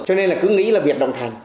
cho nên là cứ nghĩ là biệt động thành